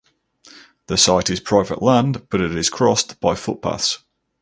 The site is private land but it is crossed by footpaths.